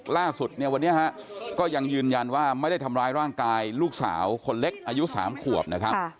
ล่าสุดเนี่ยวันนี้ฮะก็ยังยืนยันว่าไม่ได้ทำร้ายร่างกายลูกสาวคนเล็กอายุ๓ขวบนะครับ